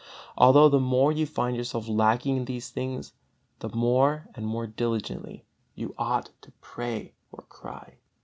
Although the more you find yourself lacking in these things, the more and more diligently you ought to pray or cry.